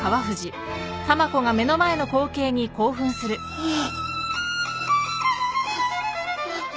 あっ！